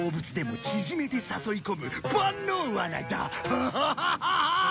ハハハハッ！